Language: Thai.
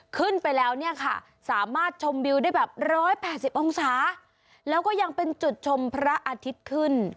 ขึ้นไปแล้วเนี่ยค่ะสามารถชมวิวได้แบบ๑๘๐องศาแล้วก็ยังเป็นจุดชมพระอาทิตย์ขึ้น